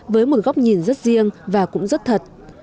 với một góc nhìn rất riêng và cũng rất thật